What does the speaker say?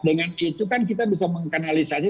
dengan itu kan kita bisa mengkanalisasi